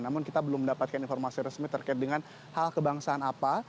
namun kita belum mendapatkan informasi resmi terkait dengan hal kebangsaan apa